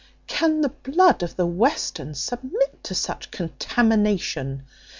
Can the blood of the Westerns submit to such contamination?